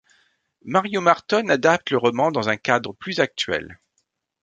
Mario Martone adapte le roman dans un cadre plus actuel.